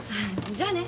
じゃあね。